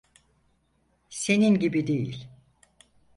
Senin gibi değil.